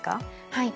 はい。